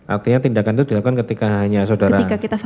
artinya tindakan itu dilakukan ketika hanya saudara bertiga ya